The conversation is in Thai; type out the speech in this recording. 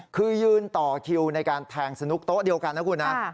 คือยืนต่อคิวในการแทงสนุกโต๊ะเดียวกันนะคุณนะ